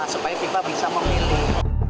supaya fifa bisa memilih